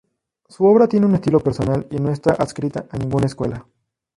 Su obra tiene un estilo personal y no está adscrita a ninguna escuela.